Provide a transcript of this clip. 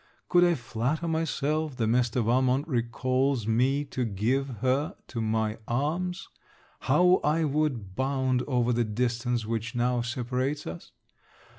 Could I flatter myself, that Mr. Valmont recals me to give her to my arms, how I should bound over the distance which now separates us?